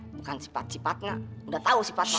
bukan sifat sifatnya udah tahu sifatnya